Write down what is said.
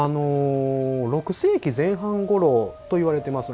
６世紀前半ごろといわれています。